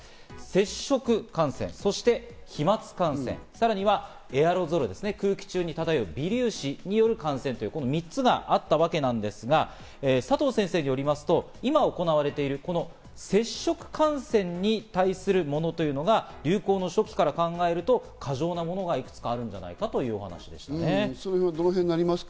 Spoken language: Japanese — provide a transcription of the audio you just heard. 接触感染、飛沫感染、さらにはエアロゾル、空気中に漂う微粒子による感染、この３つがあったわけなんですが、佐藤先生によりますと今行われている接触感染に対するものというのが、流行の初期から考えると過剰なものがいくつかあるんじゃないかというお話でしたね。